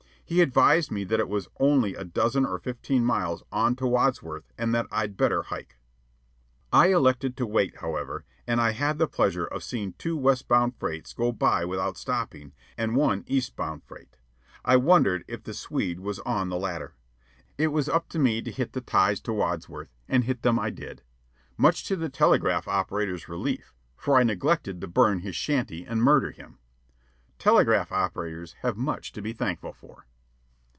He advised me that it was only a dozen or fifteen miles on to Wadsworth and that I'd better hike. I elected to wait, however, and I had the pleasure of seeing two west bound freights go by without stopping, and one east bound freight. I wondered if the Swede was on the latter. It was up to me to hit the ties to Wadsworth, and hit them I did, much to the telegraph operator's relief, for I neglected to burn his shanty and murder him. Telegraph operators have much to be thankful for.